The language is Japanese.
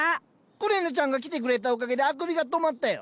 くれなちゃんが来てくれたおかげであくびが止まったよ。